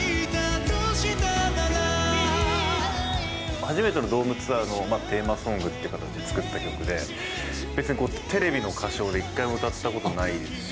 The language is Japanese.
初めてのドームツアーのテーマソングという形で作った曲で、別にテレビの歌唱で一回も歌ったことがない。